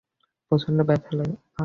প্রচন্ড ব্যথা লাগে।